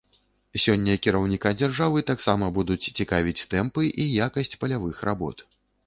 Сёння кіраўніка дзяржавы таксама будуць цікавіць тэмпы і якасць палявых работ.